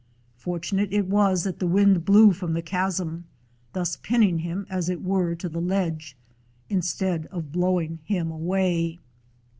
Fortu nate it was that the wind blew from the chasm, thus pinning him, as it were, to the ledge in stead of blowing him away.